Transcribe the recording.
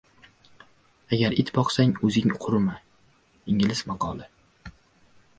Agar it boqsang, o‘zing hurima. Ingliz maqoli